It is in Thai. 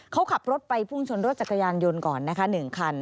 เขาขับรถไปพุ่งชนรถจักรยานยนต์ก่อนนะคะ๑คัน